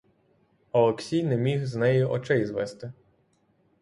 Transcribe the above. Олексій не міг з неї очей звести.